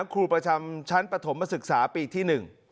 ครูประจำชั้นปฐมศึกษาปีที่๑